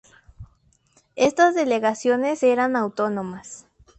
Estas delegaciones eran autónomas.